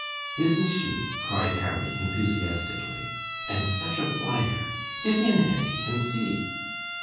"Isn't she!" cried Harry, enthusiastically. "And such a flyer! Get in, auntie, and see."